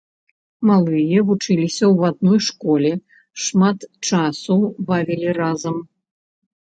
Малыя вучыліся ў адной школе, шмат часу бавілі разам.